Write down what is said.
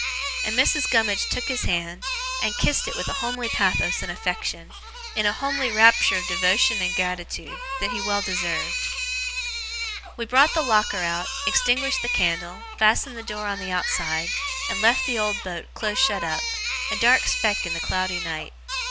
And Mrs. Gummidge took his hand, and kissed it with a homely pathos and affection, in a homely rapture of devotion and gratitude, that he well deserved. We brought the locker out, extinguished the candle, fastened the door on the outside, and left the old boat close shut up, a dark speck in the cloudy night.